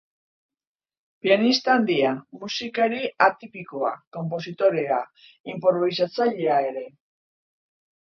Pianista handia, musikari atipikoa, konpositorea, inprobisatzailea ere.